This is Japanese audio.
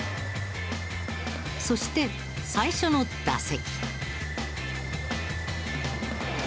そして最初の打席。